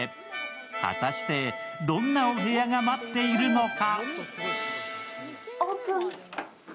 果たしてどんなお部屋が待っているのか。